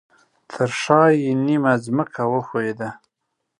ترشاه یې نیمه ځمکه وښویده